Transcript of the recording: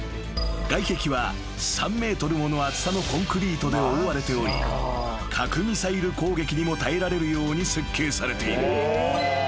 ［外壁は３ｍもの厚さのコンクリートで覆われており核ミサイル攻撃にも耐えられるように設計されている］